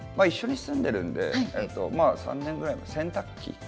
一緒に住んでるんで、まあ、３年ぐらい前に洗濯機。